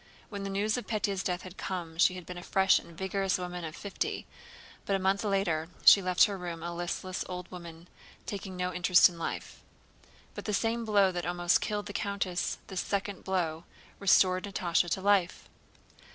When the news of Pétya's death had come she had been a fresh and vigorous woman of fifty, but a month later she left her room a listless old woman taking no interest in life. But the same blow that almost killed the countess, this second blow, restored Natásha to life.